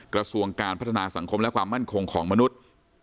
กระทรวงการพัฒนาสังคมและความมั่นคงของมนุษย์